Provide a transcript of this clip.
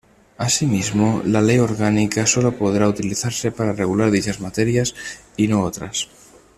Asimismo, la Ley Orgánica sólo podrá utilizarse para regular dichas materias, y no otras.